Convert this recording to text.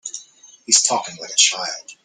He's talking like a child.